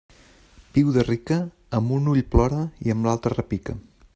Viuda rica, amb un ull plora i amb l'altre repica.